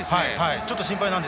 ちょっと心配です。